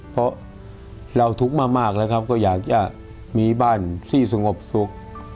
เพราะเราทุกข์มากแล้วครับก็อยากจะมีบ้านที่สงบสุข